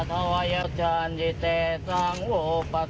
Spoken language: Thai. สัมปเวศีวิญญาณเล่ลอนทั้งหลาย